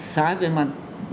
sai về mặt